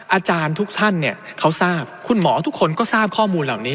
อาจารย์ทุกท่านเนี่ยเขาทราบคุณหมอทุกคนก็ทราบข้อมูลเหล่านี้